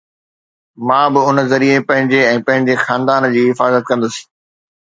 مان به ان ذريعي پنهنجي ۽ پنهنجي خاندان جي حفاظت ڪندس